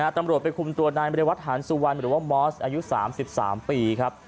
ตำรวจไปคุมตัวนั้นไปเรียกวัดฮานสุวรรณหรือว่ามอสอายุสามสิบสามปีครับ